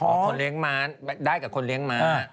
คนเลี้ยงม้าได้กับคนเลี้ยงม้า